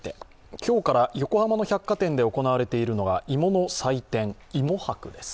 今日から横浜の百貨店で行われているのが芋の祭典、芋博です。